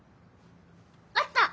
あった！